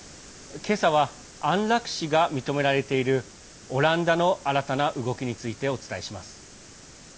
今朝は、安楽死が認められているオランダの新たな動きについてお伝えします。